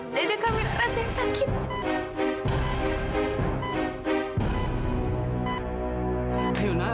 dede camilla rasanya sakit